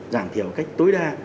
giảm thiểu cách tối đa